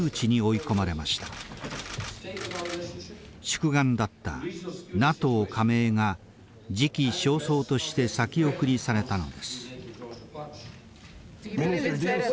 宿願だったＮＡＴＯ加盟が時期尚早として先送りされたのです。